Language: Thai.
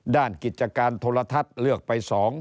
กิจการโทรทัศน์เลือกไป๒